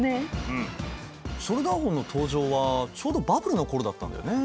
うんショルダーホンの登場はちょうどバブルの頃だったんだよね。